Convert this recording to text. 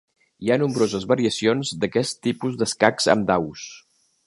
Hi ha nombroses variacions d'aquest tipus d'escacs amb daus.